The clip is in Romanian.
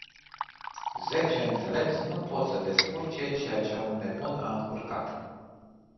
Zece înțelepți nu pot să descurce ceea ce un nebun a încurcat.